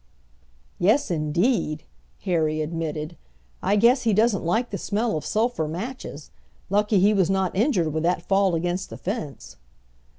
"Yes indeed," Harry admitted; "I guess he doesn't like the smell of sulphur matches. Lucky he was not injured with that fall against the fence."